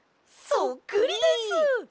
そっくりです！